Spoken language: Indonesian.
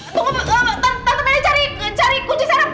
tante melay cari kunci sarap